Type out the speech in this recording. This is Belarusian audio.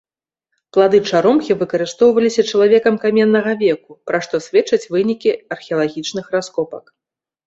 Плады чаромхі выкарыстоўваліся чалавекам каменнага веку, пра што сведчаць вынікі археалагічных раскопак.